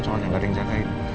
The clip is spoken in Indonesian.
soalnya nggak ada yang jagain